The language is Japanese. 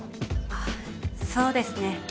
ああそうですね